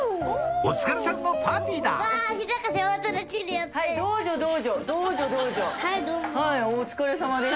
お疲れさまでした。